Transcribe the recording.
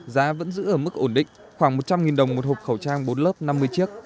giá vẫn giữ ở mức ổn định khoảng một trăm linh đồng một hộp khẩu trang bốn lớp năm mươi chiếc